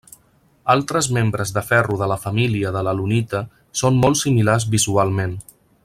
Altres membres de ferro de la família de l'alunita són molt similars visualment.